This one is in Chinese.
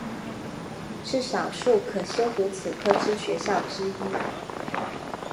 是少数可修读此科之学校之一。